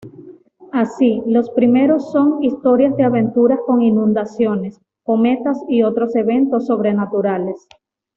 Así, los primeros son historias de aventuras con inundaciones, cometas y otros eventos sobrenaturales.